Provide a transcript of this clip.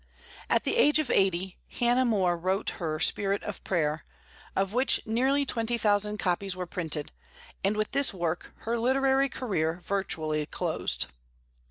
At the age of eighty, Hannah More wrote her "Spirit of Prayer," of which nearly twenty thousand copies were printed; and with this work her literary career virtually closed.